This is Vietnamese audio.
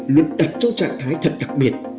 luôn đặt trong trạng thái thật đặc biệt